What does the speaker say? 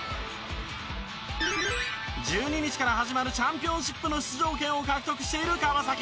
１２日から始まるチャンピオンシップの出場権を獲得している川崎。